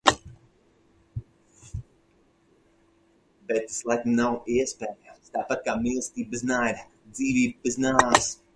Bet tas laikam nav iespējams. Tāpat kā mīlestība bez naida. Dzīvība bez nāves.